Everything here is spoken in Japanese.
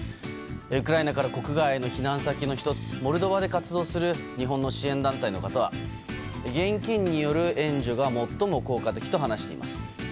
ウクライナから国外への避難先の１つ、モルドバで活動する日本の支援団体の方は現金による援助が最も効果的と話しています。